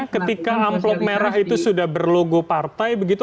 ketika amplop merah itu sudah berlogo partai begitu